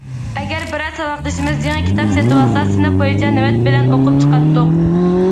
ئەگەر بىرەر ساۋاقدىشىمىز يېڭى كىتاب سېتىۋالسا، سىنىپ بويىچە نۆۋەت بىلەن ئۇقۇپ چىقاتتۇق.